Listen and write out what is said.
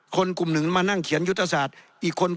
คนกลุ่มหนึ่งมานั่งเขียนยุทธศาสตร์